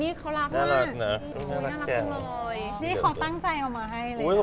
นี่เขาตั้งใจออกมาให้เลย